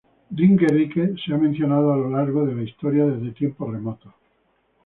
Ringerike se ha mencionado a lo largo de la historia desde tiempos remotos.